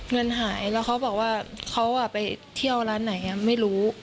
เงินหายแล้วเขาบอกว่าเขาไปเที่ยวร้านไหนไม่รู้